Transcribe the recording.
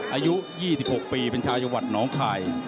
อายุ๒๖ปีเป็นชาวจัวรรดิหนองคลาย